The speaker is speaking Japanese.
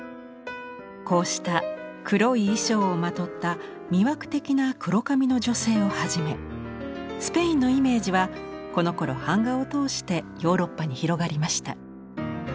こうした黒い衣装をまとった魅惑的な黒髪の女性をはじめスペインのイメージはこのころ版画を通してヨーロッパに広がりました。